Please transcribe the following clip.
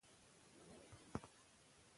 صبر د سختو ستونزو حل دی.